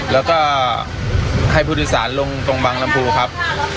แล้วก็ให้พุทธศาลลงตรงบางลำพูครับ